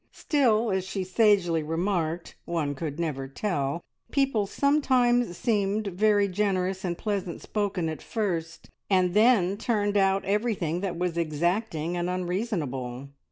Still, as she sagely remarked, one could never tell! People sometimes seemed very generous and pleasant spoken at first, and then turned out everything that was exacting and unreasonable.